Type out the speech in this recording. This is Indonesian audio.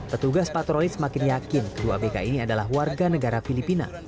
petugas patroli semakin yakin kedua abk ini adalah warga negara filipina